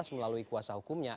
melalui kuasa hukumnya